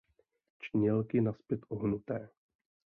Čnělky nazpět ohnuté.